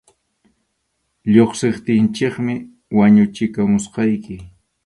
Lluqsiptinchikmi wañuchimusqayki.